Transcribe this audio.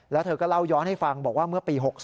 แล้วเธอก็เล่าย้อนให้ฟังบอกว่าเมื่อปี๖๒